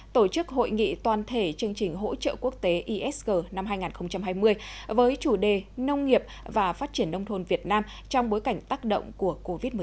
tổ chức hội nghị toàn thể chương trình hỗ trợ quốc tế isg năm hai nghìn hai mươi với chủ đề nông nghiệp và phát triển nông thôn việt nam trong bối cảnh tác động của covid một mươi chín